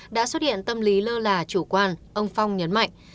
đã xuất hiện tâm lý lơ là chủ quan ông phong nhấn mạnh